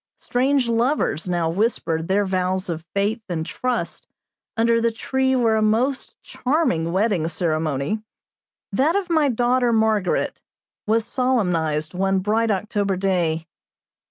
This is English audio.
Strange lovers now whisper their vows of faith and trust under the tree where a most charming wedding ceremony that of my daughter Margaret was solemnized one bright October day.